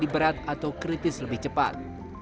lebih berat atau kritis lebih cepat